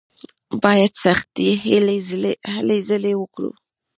بايد سختې هلې ځلې وکړو.